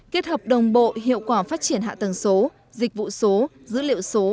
kết hợp đồng bộ hiệu quả phát triển hạ tầng số dịch vụ số dữ liệu số